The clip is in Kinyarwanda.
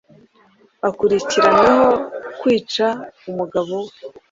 akurikiranyweho kwica umugabo we